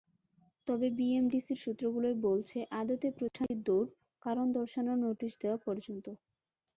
তবে বিএমডিসির সূত্রগুলোই বলছে, আদতে প্রতিষ্ঠানটির দৌড় কারণ দর্শানোর নোটিশ দেওয়া পর্যন্ত।